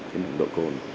thêm một đội cồn